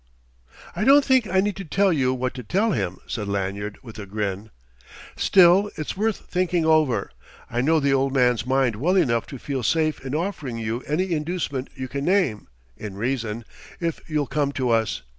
"I don't think I need tell you what to tell him," said Lanyard with a grin. "Still, it's worth thinking over. I know the Old Man's mind well enough to feel safe in offering you any inducement you can name, in reason, if you'll come to us.